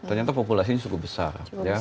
ternyata populasinya cukup besar